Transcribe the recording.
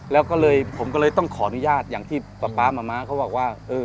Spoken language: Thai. แล้วก็เลยผมก็เลยต้องขออนุญาตอย่างที่ป๊าป๊ามะม้าเขาบอกว่า